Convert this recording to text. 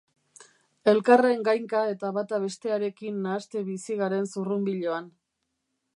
Elkarren gainka eta bata bestearekin nahaste bizi garen zurrunbiloan.